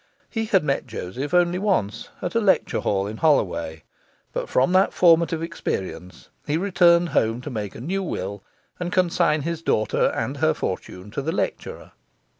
He had met Joseph only once, at a lecture hall in Holloway; but from that formative experience he returned home to make a new will, and consign his daughter and her fortune to the lecturer.